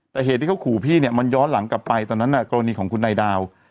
แต่เหตุที่เขาขู่พี่เนี่ยมันย้อนหลังกลับไปตอนนั้นกรณีของคุณนายดาว